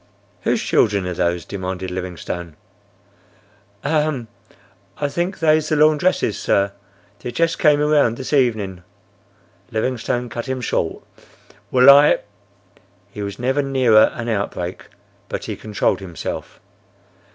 "Whose children are those?" demanded Livingstone. "Ahem! I thinks they's the laundress's, sir. They just came around this evening—" Livingstone cut him short. "Well! I—!" He was never nearer an outbreak, but he controlled himself.